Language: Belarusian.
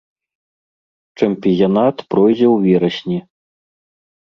Чэмпіянат пройдзе ў верасні.